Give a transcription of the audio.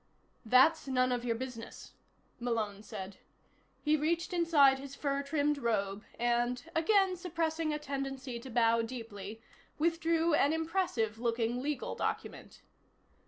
"That's none of your business," Malone said. He reached inside his fur trimmed robe and, again suppressing a tendency to bow deeply, withdrew an impressive looking legal document.